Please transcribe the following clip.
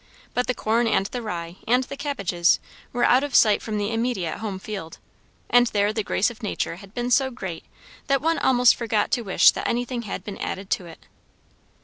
But the corn and the rye and the cabbages were out of sight from the immediate home field; and there the grace of nature had been so great that one almost forgot to wish that anything had been added to it.